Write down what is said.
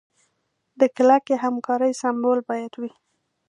د کلکې همکارۍ سمبول باید وي.